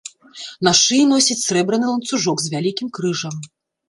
На шыі носіць срэбраны ланцужок з вялікім крыжам.